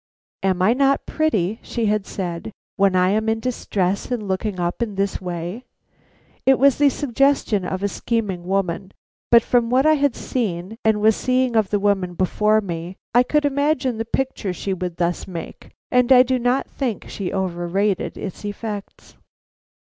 "Am I not pretty," she had said, "when I am in distress and looking up in this way?" It was the suggestion of a scheming woman, but from what I had seen and was seeing of the woman before me, I could imagine the picture she would thus make, and I do not think she overrated its effects.